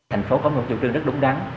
thành phố có một chủ trương rất đúng đắn